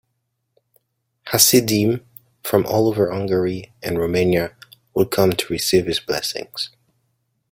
Hasidim from all over Hungary and Romania would come to receive his blessings.